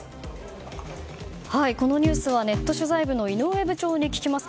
このニュースはネット取材部の井上部長に聞きます。